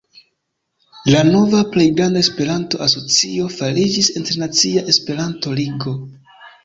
La nova plej granda Esperanto-asocio fariĝis Internacia Esperanto-Ligo.